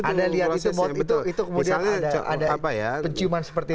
ada lihat itu mod itu itu kemudian ada penciuman seperti itu ya